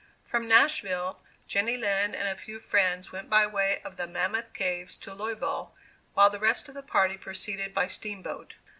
From Nashville, Jenny Lind and a few friends went by way of the Mammoth Cave to Louisville, while the rest of the party proceeded by steamboat.